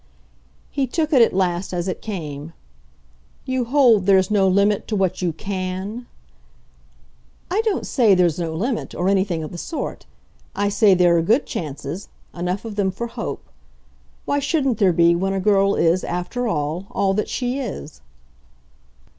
He took it at last as it came. "You hold there's no limit to what you 'can'?" "I don't say there's no limit, or anything of the sort. I say there are good chances enough of them for hope. Why shouldn't there be when a girl is, after all, all that she is?"